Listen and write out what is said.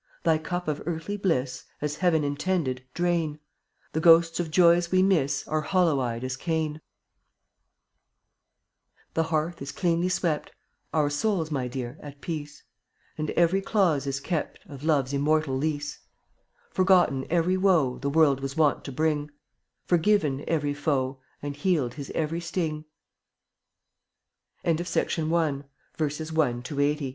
Thy cup of earthly bliss, As Heaven intended, drain; The ghosts of joys we miss Are hollow eyed as Cain. 80 The hearth is cleanly swept, Our souls, my Dear, at peace; And every clause is kept Of Love's immortal lease; Forgotten every woe The world was wont to bring; Forgiven every foe And healed his ev